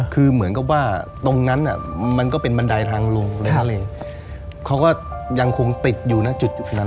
คือเหมือนกับว่าตรงนั้นมันก็เป็นบันไดทางลงในทะเลเขาก็ยังคงติดอยู่นะจุดนั้น